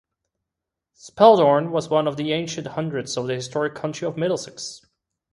Spelthorne was one of the ancient hundreds of the historic county of Middlesex.